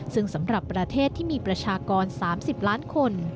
ซึ่งสำหรับประเทศที่มีประชากร๓๐ล้านคน